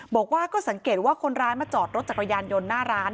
บอกว่าก็สังเกตว่าคนร้ายมาจอดรถจักรยานยนต์หน้าร้าน